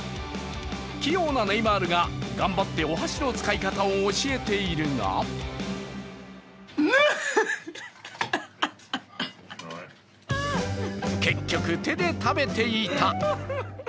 器用なネイマールが頑張ってお箸の使い方を教えているが結局、手で食べていた。